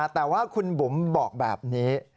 แต่ว่าคุณบุ๋มบอกแบบนี้